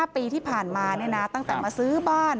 ปีที่ผ่านมาตั้งแต่มาซื้อบ้าน